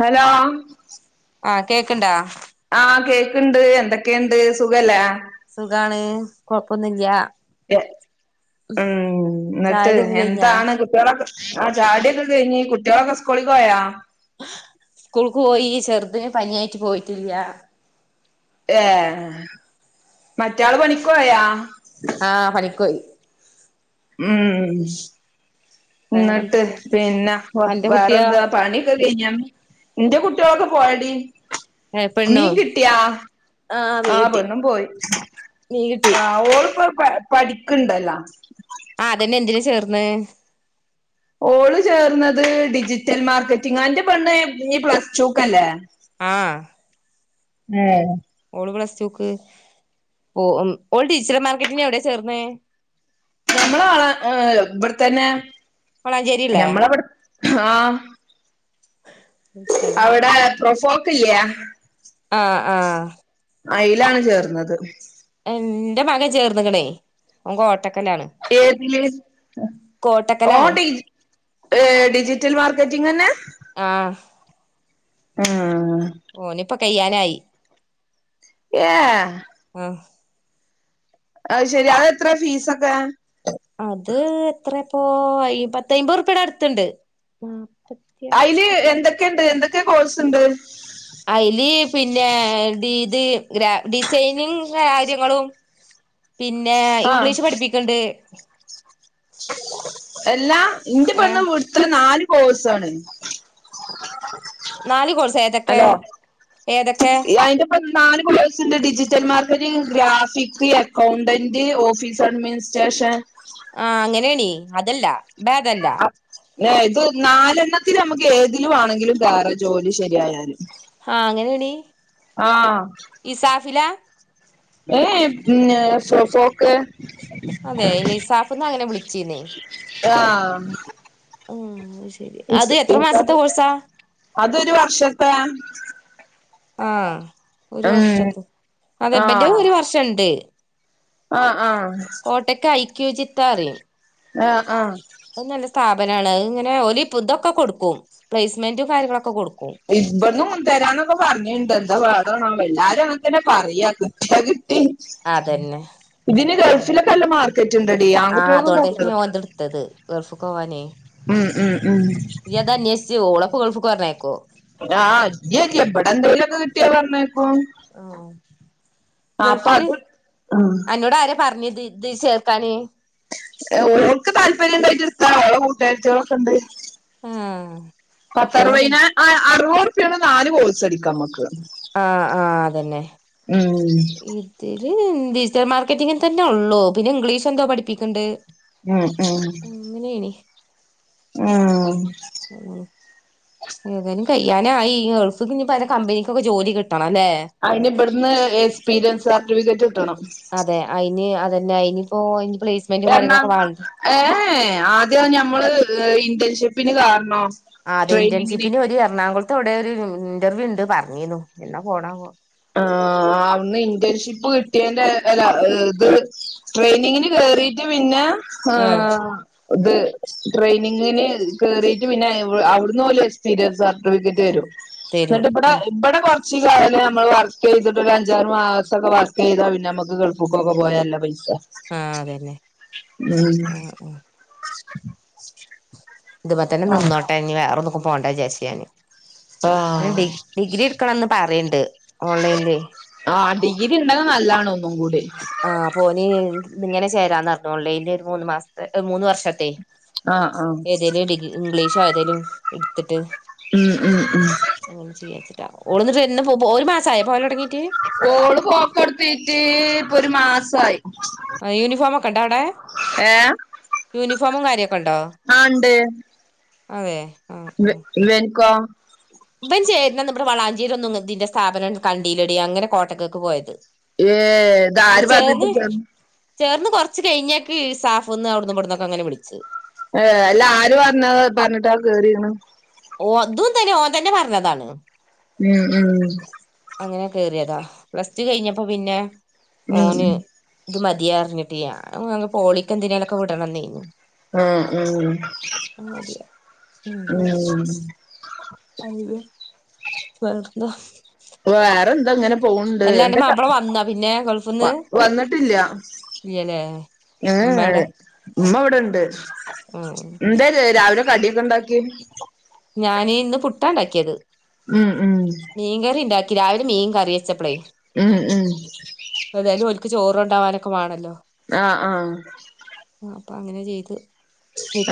Hello ആഹ് കേക്കണ്ടാ ആഹ് കേക്കുണ്ട് എന്തൊക്കെയുണ്ട് സുഖല്ലേ സുഖാണ് കൊഴപ്പൊന്നുല്ല ഉം എന്നിട്ട് ചായുടിയൊക്കെ കഴിഞ്ഞാ എന്താണ് കുട്ടികളൊക്കെ ആഹ് ചാടിയൊക്കെ കഴിഞ്ഞ് കുട്ടികളൊക്കെ സ്കോളി പോയ സ്കൂൾക്ക് പോയി ചെറുതിന് പനിയായിട്ട് പോയിട്ടില്ല ഏ മറ്റയാള് പണിക്കോയ ആഹ് പണിക്കോയി ഉം എന്നിട്ട് വേറെന്തൊക്കെ പിന്നെ അന്റെ കുട്ടിയോ വേറെന്താ പണി [unintelligible] നിന്റെ കുട്ടികളൊക്കെ പോയടി ഏഹ് പെണ്ണോ മീൻ കിട്ടിയാ മീൻ ആഹ് കിട്ടി പെണ്ണും പോയി മീൻ കിട്ടി ഓളി പഠിക്കുണ്ടല്ലോ ആഹ് അതന്നെ എന്തിനാ ചേർന്ന ഓള് ചേർന്നത് ഡിജിറ്റൽ മാർക്കറ്റിംഗ് അന്റെ പണ്ണ് ഈ പ്ലസ് റ്റുക്കല്ലേ ആഹ് ഏഹ് ഓള് പ്ലസ്ക്ക് പോ ഓൾ ഡിജിറ്റൽ മാർക്കറ്റിന് എവിടെയാ ചേർന്ന നമ്മള ആള ഏ ഇവിടെത്തന്നെ വളാഞ്ചേരില്ലേ ഞമ്മളവിടെ ആഹ സ്ഥലം പറ അവിടെ പ്രൊഫോക്ക് ഇല്ല ആഹ് ആഹ് അയിലാണ് ചേർന്നത് എന്റെ മകൻ ചേർന്നകണേ ഓന് കോട്ടക്കല്ലാണ്.... ഏതില് ഓഡി ഏഹ് ഡിജിറ്റൽ മാർക്കറ്റിംഗന്നെ. ആഹ്. ഉം ഓനിപ്പോ കയ്യാനായി. ഏഹ്. ആഹ്. അയ്ശരി അതത്ര ഫീസൊക്കെ. അത് എത്രെപ്പോ അപത്തയ്മ്പത്ഉർപ്യെടെ അടുത്ണ്ട്. അയ്ല് എന്തൊക്കെണ്ട് എന്തൊക്കെ കോഴ്സ്ണ്ട്. അയ്ല് പിന്നെ ഡി ഇത് ഗ്ര ഡിസൈനിങ് കാര്യങ്ങളും. പിന്നെ ആഹ് ഇംഗ്ലീഷ് പഠിപ്പിക്ണ്ട്. എല്ലാ ഇന്റെ പണ് ഏഹ് വ്ട്ത് നാല്. പോസാണ്. നാല് കോഴുസേ ഏതൊക്കെ ഏതൊക്കെ? ഇ നാല്കോയുസുണ്ട് digital market graphic accountant officer means. സേഷൻ. ആഹ് അങ്ങനെയണീ അതല്ല ബാദല്ല. ഇത് നാലെണ്ണത്തിൽ നമുക്ക് ഏതിലും ആണെങ്കിലും കേറ ജോലി ശരിയായാല്. ആഹ് അങ്ങനെയണീ ആഹ് ഇസാഫില. ഏയ് ഫ്രാ ഫോക്ക്. അതെ ലിസാഫ്ന്ന് അങ്ങനെ വിളിച്ചീന്നേ. ആഹ് അത് എത്ര മാസത്തെ കോഴ്സാ. അതൊരു വർഷത്തെ ആഹ് ഒരു ഉം വർഷതെ ഇബന്റെ ആഹ് ഒരു വർഷ ണ്ട്. ആഹ് ആഹ് കോട്ടയ്ക്ക് ഐക്യൂ ജിത്ത അറിം. ആഹ് ആഹ്. നല്ല സ്ഥാപനാണ് ഇങ്ങനെ ഓല് ഇപ്പൊ ഇതൊക്കെ കൊടുക്കും പ്ലേസ്മെന്റും കാര്യങ്ങളൊക്കെ കൊടുക്കും. ഇവട്ന്ന് മുൻ തരാന്നൊക്കെ പറഞ്ഞിണ്ട് എന്താ പാടാണോ എല്ലാരും അങ്ങന തന്നെ പറയാ കിട്ട്യാ കിട്ടി. അതന്നെ. ഇതിന് ഗൾഫിലൊക്കെ നല്ല മാർക്കറ്റ് ഉണ്ടടി ആൻ ആഹ് കുട്ട്യോക്കൊക്കെ അതോണ്ടെന്നെ വല്ലത. ഓൻത് ഇട്ത്തത്. ഗൾഫിൽക്കോവാനെ. ഉം ഉം ഉം. ഇയ് അത് അന്വേഷിച്ച് ഓളെപ്പൊ ഗൾഫ്ക്ക് പറഞ്ഞയക്കോ. ആ ഇല്യ ഇല്യ എവിടെ എന്തെങ്കിലുംക്കെ കിട്ടിയാ പറഞ്ഞയക്കും. ഓ ഗൾഫിന് അത് ഉം അന്നോട് ആരാ പറഞ്ഞത്. തീ ചേർത്താന്. ഓർക്ക് താല്പര്യം ഉണ്ടായിട്ട് ഇട്ത്ത ഓളെ കൂട്ടാരതിഓളൊക്കെ ഉണ്ട്. ആഹ് പത്ത കുട്ടികളൊക്കെ അറുവയ്നായി അറുപത് ഉ റുപ്യാടെ നാല് കോഴസ് ട്ക്കാം നമ്മക്ക്. ആഹ് ആഹ് അതന്നെ. ഉം. ഇതില് ഡിജിറ്റൽ മാർക്കറ്റിങ്ങന്നെ ഉള്ളു പിന്നെ ഇംഗ്ലീഷ് എന്തോ പഠിപ്പിക്കണ്ട്. ഉം ഉം. അങ്ങനെയ്ന്. ആഹ് ഊ ഉം ഏതായാലും കയ്യാനായി ഈ ഗൾഫ്ക്ക് ഇഞ്പ്പോ നല്ല കമ്പനിക്കൊക്കെ ജോലി കിട്ടണം ല്ലേ അയിന് ഇവിട്ന്ന് എക്സ്പീരിയൻസ് സർട്ടിഫിക്കറ്റ് കിട്ടണം അതെ അയിന് അതന്നെ അയിനിപ്പോ പ്ലേസ്മെന്റും എർണാ കാര്യങ്ങളൊക്കെ വേണ്ടേ ഏഹ് ഏഹ് ആദ്യ ഞമ്മള് ഇന്റേൻഷിപ്പിന് കാന്നോ ആ അതെ ഇന്റേൺഷിപ്പിന് ഒരു എറണാകുളത്ത് എവിടെ ഒരു ഇന്റർവ്യൂ ഇണ്ട് പറഞ്ഞിനു എന്നാ പോനാവോ ആഹ് അന്ന് ഇന്റേൺഷിപ്പ് കിട്ടിയെന്റെ അല്ല ഇത് ട്രെയിനിങ്ങിന് കേറിട്ട് പിന്നെ ആ ഹ് ഇത് ട്രെയിനിങ്ങിന് കേറിട്ട് പിന്നെ അവിടന്ന് ഓല് എക്സ്പീരിയൻസ് സർട്ടിഫിക്കറ്റ് തെരും തരും എന്നിട്ട് ഇവിടെ ഉം ഇവിടെ കൊറച്ച് കാലം നമ്മള് വർ [unintelligible] ചെയ്തിട്ട അഞ്ചാറും ആ ഒക്കെ വർക്ക ചെയ്താ പിന്നെ നമക്ക് കൾഫ്ക്കൊക്കെ പോയാല് നല്ല പൈസ ആഹ് അതന്നെ ഉം ഉം ഇതുമതന്നെ ആഹ് നിന്നോട്ടേ ഇനി വേറെന്നക്കും പോകണ്ട വിചാരിച്ചുഞാൻ [unintelligible] ആഹ് ഡി ഡിഗ്രി എടുക്കണംന്ന് പറയണ്ട് ഓൺലൈനില് ആഹ് ഡിഗ്രി ഇണ്ടങ്കി നല്ലതാണ് ഒന്നും കൂടി ആഹ് ഓൻ ഇങ്ങനെ ചേരാറഞ്ഞു ഓൺലൈനിൽ മൂന്ന് മാസത്തെ ഹ് മൂന്ന് വർഷത്തെേ ആഹ് ആഹ് ഏതേലും ഡിഗ്രി ഇംഗ്ലീഷോയതേലും എടുത്തിട്ട് ഉം ഉം ഉം [unintelligible] [inaudible] ഒരു മാസായോ പോകല് തുടങ്ങീട്ട് ഓള് പോക് തൊടുത്തീട്ട് ഇപ്പൊ ഒരു മാസായി ആ യൂണിഫോമോക്കെ ഇണ്ട അവിടെ യൂണിഫോമും കാര്യൊ ആഹ് ഇണ്ട് അതെ ആ ആഹ് ഇവന്ക്കോ? ഇപൻ ചേരുന്നന് ഇവടെ വളാഞ്ചേരീയൊന്നും ഇതിന്റെ സ്ഥാപനം കണ്ടിയിലടി അങ്ങനെ കോട്ടകക്ക് പോയത് ഏഹ് ഇത് ഇവൻ ആര് പറഞ്ഞിട്ട് ചേർന്ന് ചേർന്ന് കുറച്ച് കഴിഞ്ഞേക്ക് ഇസാഫ്ന്നും അവിടന്ന് ഇവിടന്നൊക്കെ അങ്ങനെ വിളിച്ച് ഏഹ് അല്ല ആര് പറഞ്ഞ പറഞ്ഞിട്ടാ കേരീണ് ഓ അതും തന്നെ ഓ തന്നെ പറഞ്ഞതാണ് ഉം ഉം അങ്ങനെ കേറിയതാന് പ്ലസ് ടു കഴിഞ്ഞപ്പോ പിന്നെ ഉം. ഓന് ഇത് മതിഅറിഞ്ഞിട്ട് ഞാ പോളിക്കന്തിനലൊക്കെ വിടണം എന്നയിന് ആഹ് മതി അഹ് ഉം അയിവാ വെറന്താ വേറെന്താങ്ങനെ പോണ്ട് അന്റെ എന്തൊക്ക മാപ്പള വന്നാ പിന്നെ ഗൾഫ്ന്ന് വ വന്നിട്ടില്ല ഇല്ലല്ലേ ഏഹ് ഉമ്മേടെ എഹ് ഉമ്മ ഇവിടെ ഇണ്ട് ഉം എന്താ രാവിലെ കടിയൊക്കെ ഇണ്ടാക്കിയെ ഞാന് ഇന്ന് പുട്ടാണ്ടാക്കിയത് ഉം ഉം മീൻ കറി ഉണ്ടാക്കി രാവിലെ മീൻ കറി വെച്ചപ്പളേ ഉം ഉം ഏതായാലും ഓല്ക്ക് ചോർ കൊണ്ടാവാനൊക്കെ വാണല്ലോ ആഹ് ആഹ് അപ്പൊ അങ്ങനെ ചെയ്തു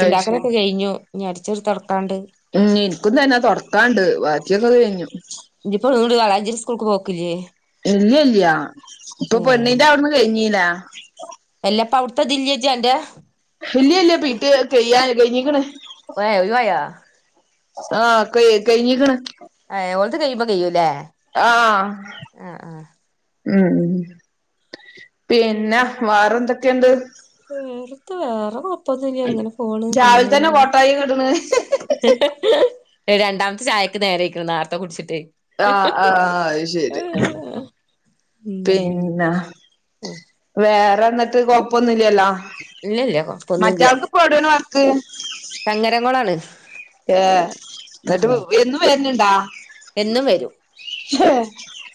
അത് ശരി കഴിഞ്ഞു ഇഞ് അടിചരിത്തോടക്കാണ്ട് ഉം ഇനിക്കും തന്നെ തുടക്കാണ്ട് ബാക്കിയൊക്കെ കഴിഞ്ഞു ഇജ് ഇപ്പോ വലാഞ്ചേരി സ്കൂൾക്ക് പോക്കില്ലേ [unintelligible] ഇല്ല ഇല്ല ഇപ്പൊ ഏ പെണ്ണിന്റെ അവിടന്ന് കഴിഞ്ഞില എല്ലാപ്പ അടുത്തെ ദില്ലയജിന്റെ ഇല്ല ഇല്ല പി ടി യെ കഴ്യ കഴിഞ്ഞീക്ന്ന് വെ ഒഴിവായ ആഹ് ക കയ്കയ്ഞ്ഞ്ക്ക്ണ് ഏ ഓൾത് കഴിയുമ്പോ കഴിയൂലെ ആഹ് ഉം പിന്നെ വാറെ ന്തൊക്കെയണ്ട് ഉം റ്ത്ത് വേറെ കൊഴപ്പൊന്നൂല്ല ഇങ്ങനെ പോണ് രാവിലെ തന്നെ പിന്നെന്താ കോട്ടായി കിടണ് രണ്ടാമത്തെ ചായക്ക് നേരായ്ക്കണു നേർത്തെ കുടിച്ചിട്ടേ ആഹ് ആഹ് അയ്ശരി ഉം പിന്നെ വേറെ ന്നിട്ട് കൊഴപ്പൊന്നുംല്ലല്ലോ ഇല്ലല്ല മറ്റാൾക്ക് ഇപ്പ എവടാണ് വർക്ക് ചങ്ങര കൊളാണ് അഏ ന്നിട്ട് എന്നും വരന്ന്ണ്ടാ എന്നും വരും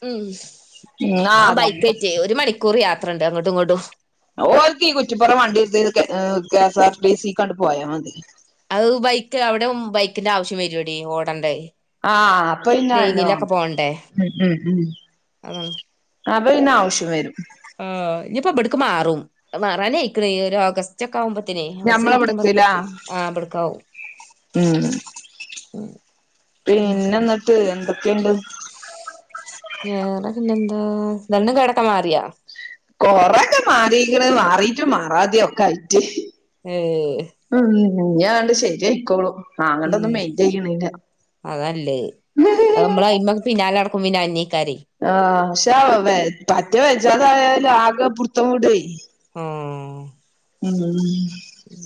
ഉം ആ ആഹ് ബൈക്ക്റ്റ്യേ ഒരു മണി കുറി യാത്ര ഇണ്ട് അങ്ങോട്ടും ഇങ്ങോട്ടും ഓൽക്ക് ഈ കുറ്റിപ്പുറം വണ്ടിട്ത്ത് കെ എ് K S R T C ക്ക് അണ്ട് പോയാ മതി അഹ് ബൈക്ക് അവിടെ ഉം ബൈക്കിന്റെ ആവശ്യം വരൂടി ഓടണ്ടേ ആഹ് അപ്പൊ പിന്നെ അയ്നോണം ലൈനിലൊക്കെ പോണ്ടേ ഉം ഉം അതാണ് അപ്പ പിന്നെ ആവശ്യം വരും ആ എ് ഇഞിപ്പോ ഇബടക്ക് മാറും മാറാനായിക്കണ് ഈ ഒരു ഓഗസ് റ്റൊക്കെ ആവുമ്പത്തിനെ ഓഗസ്റ്റ് ഞമ്മളെ സെപ്റ്റംബർ ഇവിടത്തില്ല. ആ ബടക്കാവും ഉം പിന്നെന്നിട്ട് എന്തൊക്കെണ്ട് വേറെ പിന്നെ എന്താ ദണ്ണം കേടക്ക മാറ്യാ കൊറക്കെ മാറിക് ണ് മാറീട്ടും മാറാതെം ഒക്കെ ആയിട്ട് ഏ് ഉം ഞിഅണ്ട് ശരി ആയിക്കോളും ആഹ് അങ്ങട്ടൊന്നും ഉം മെയിൻ്റെയ്യണില്ല പിന്നാലടക്കും പിന്നെ അയ്‌ന്നെ കാര്യേ ആഹ് പക്ഷെ ആ വെ പറ്റ്യേ വെജാതായാലെ ആകെ പിടുത്തം വിടുയ് ആഹ് ഉം ഉം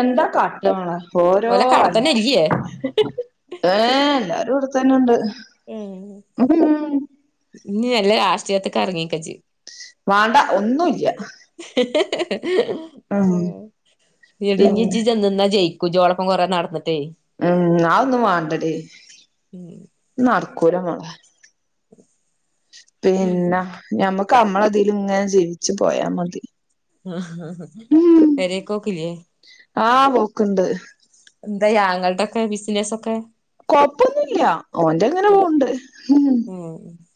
എന്താ കാട്ടമ്മളെ ഓരോ അട് അവ്ടെത്തന്നെ ഇല്ല്യേ ഏ എല്ലാരും ഇവിടുത്തന്നെ ഉണ്ട് ഉംഹും ഇനി മെല്ലെ രാഷ്ട്രീയത്തിക്ക് എറങ്ങിക്കോ ഇജ് വാണ്ട ഒന്നുല്ല്യ എടി ഞി പിന്നെ ഇജ് ചെന്ന്ന്ന ജയി ക്കും ജ് ഓളൊപ്പം കുറേ നടന്നിട്ടേ ഉം ആ ഒന്നും വേണ്ടടി ഉം. ഇത്നടക്കൂല മോളെ ഉം. പിന്നെ ഞമ്മക്ക് നമ്മളതില് ഇങ്ങനെ ജീവിച്ചു പോയാ മതി ഉം പെരേക്കോക്കില്ലെ ആഹ് പോക്ക്ണ്ട് എന്തായി ആങ്ങളടൊക്കെ ബിസിനസൊക്കെ കൊപ്പൊന്നുല്ല ഓന്റെ ഇങ്ങനെ പോണ്ട് ഉഹും അങ്ങനെ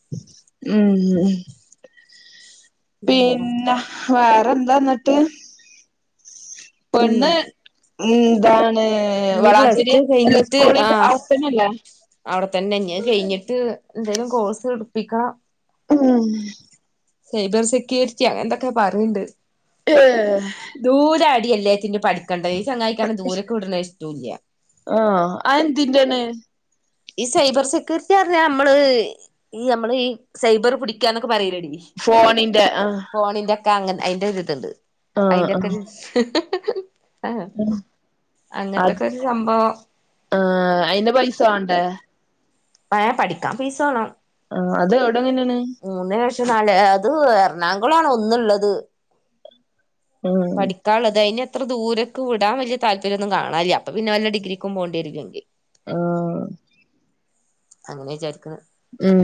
ഉം ഹും പിന്നെ വേറെന്താന്നിട്ട് ഉം പെണ്ണ് ഉംന്താണ് ഇനി പ്ലസ് വളാഞ്ചേര്യാ ടു അല്ല സ്കൂളിന് ആവിടെ തന്നെല്ലെ അവിടെ തന്നെ ഞ് അഹ് കഴിഞ്ഞിട്ട് എന്തേലും കോഴ്സ് ഇടുപ്പിക്കണം ഉം സൈബർ സെക്യൂരിറ്റ്യോ അങ്ങനെ എന്തൊക്കെ പറയണ്ട് എഹ് ദൂരാ ആടി എല്ലേച്ച്ട്ട് പഠിക്കേണ്ടത് ഈ സങ്ങായിക്കാണ്ട് ദൂരക്ക് വിടണത് ഇഷ്ട്ടൂല്ല്യ. ആഹ് അയ് എന്തിൻ്റാണ്? ഈ സൈബർ സെക്യൂരിറ്റി പറഞ്ഞാ നമ്മള് ഈ നമ്മള് ഈ സൈബർ പിടിക്കാന്നൊക്കെ പറിയില്ലെടി. ഫോണിന്റെ ആഹ് ഫോണിന്റെക്കെ അങ്ങൻ അയിന്റൊരുതുണ്ട് ആഹ് അയിന്റെ ഒക്കെ അഹ് ആഹ് അത് അങ്ങനത്തൊക്കെരു സംഭവം ആഹ് അയിന് പൈസ വേണ്ടേ ഭയ പഠിക്കാ പൈസേണം. ആഹ് അത് അവടെങ്ങനെണ് മൂന്ന് ലക്ഷം നാല് അത് എറണാകുളാണ് ഒന്ന്ള്ളത്. ആഹ് പഠിക്കാള്ളത് അയിനെ അത്ര ദൂരക്ക് വിടാൻ വല്യ താല്പര്യോന്നും കാണാല്ല്യ അപ്പ പിന്നെ വല്ല ഡിഗ്രിക്കും പോണ്ടേരുല്ലെങ്കി. ആഹ് അങ്ങ് വിചാരിക്ക്ണ് ഉം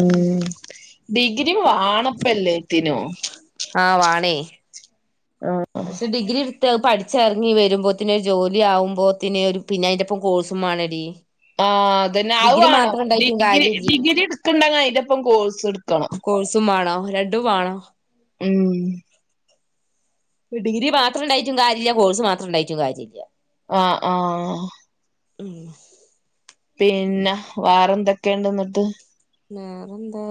ഡിഗ്രി വാണപ്പല്ലേത്തിനു. ആഹ് വാണേയ് ആഹ്. പക്ഷെ ഡിഗ്രിട്ത്ത് അത് പഠിച്ചെറങ്ങി വരുമ്പോത്തിനൊരു ജോലിയാകുമ്പോത്തിന് ഒര് പിന്നെ അയിന്റെ. ഇപ്പോ കോഴസുംമാണടീ ആഹ് അതന്നെ അവു വാണം ഡിഗ്രി കാര്യല്ലേ ഡിഗ്രി ഇടുക്കണ്ണ്ടങ്കി അതിന്റെപ്പം കോഴ്സുട്ക്കണം. സും വാണം രണ്ടും വാണം ഉം ഇപ്പോ ഡിഗ്രി മാത്രംണ്ടായിട്ടു കാര്യല്ല കോഴ്സ് മാത്രം ഉണ്ടായിട്ടു കാര്യല്ല ആഹ് ആഹ് പിന്നെ വാറെന്തൊക്കെയ്ണ്ട് ന്നിട്ട് വേറെന്താ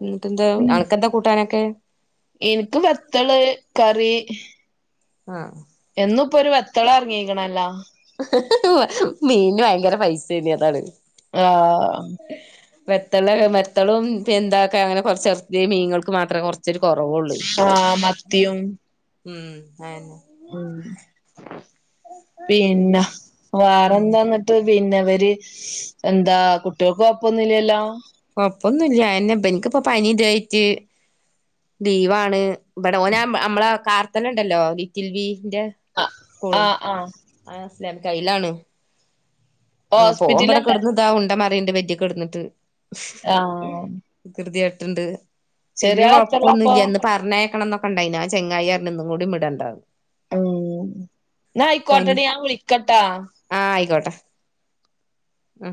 ഉം ന്നിട്ടെന്താ അണക്കെന്താ കൂട്ടാനൊക്കെ? ഇൻക്ക് വത്തള് കറി. ആഹ് എന്നുപ്പൊരു വത്തളറങ്ങിക്കണല്ലോ മീനിന് വയങ്കര പൈസേന്ന് അതാണ്. ആഹ് വെത്തള് വെത്തളും എന്തക്കെ അങ്ങനെ കൊറച്ച് എ മീൻങ്ങൾക്കും മാത്രേ കൊറ ഇച്ചരി കൊറവൊള്ളൂയ് ആഹ് മത്തിയും ഉം അയന്നെ ഉം പിന്നെ വേറെന്താന്ന് ന്നിട്ട് പിന്നെ അവര് എന്താ കുട്ടേൾക്ക് കൊഴപ്പൊന്നുല്ലല്ലോ കൊഴപ്പൊന്നുല്ല അയന്നെ ബൻക്ക്പ്പോ പനി ഇതായിട്ട് ലീവാണ്. ഇവടെ ഓന മ്മളെ കാർത്തന്നെണ്ടല്ലോ ലിറ്റിൽവിന്റെ ആ കോള്. ആ ആ ആഹ് സേം കയ്യിലാണ് ആഹ് പോമ്പടെ ഹോസ്പിറ്റലല്ലേ കെടന്ന് ഇതാ ഉണ്ട മറിയണ്ട് ബെഡിൽ കെടന്നിട്ട് ആഹ് വികൃതിയാട്ട്ണ്ണ്ട് വല്യ എത്രയിലാ ഇപ്പൊ കൊഴപ്പൊന്നുല്ലന്ന് പറഞ്ഞയക്കണം ന്നൊക്കെ ഉണ്ടായിന്ന് ആ ചങ്ങായിറഞ്ഞ് ഇന്നും കൂടി വിടണ്ടാന്ന് ഉം ന്ന പനി അയ്ക്കോട്ടെടി ഞാൻ വുളിക്കാട്ട ആഹ് ആയിക്കോട്ടെ ഉം